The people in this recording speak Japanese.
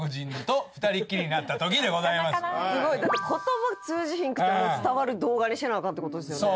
だって言葉通じひんくても伝わる動画にせなアカンってことですよね？